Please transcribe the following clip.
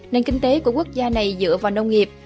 nền kinh tế của quốc gia này dựa vào nông nghiệp